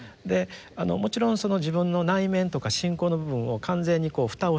もちろん自分の内面とか信仰の部分を完全に蓋をしてね